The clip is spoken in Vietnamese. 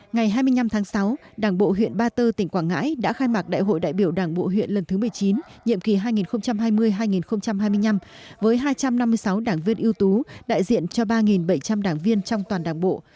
ngày hai mươi năm tháng sáu đảng bộ huyện ba tơ tỉnh quảng ngãi đã khai mạc đại hội đại biểu đảng bộ huyện lần thứ một mươi chín nhiệm kỳ hai nghìn hai mươi hai nghìn hai mươi năm với hai trăm năm mươi sáu đảng viên ưu tú đại diện cho ba bảy trăm linh đảng viên trong toàn đảng bộ